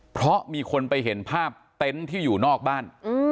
เพราะมีคนไปเห็นภาพเต็นต์ที่อยู่นอกบ้าน